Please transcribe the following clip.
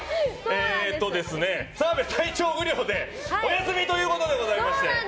澤部、体調不良でお休みということでございまして。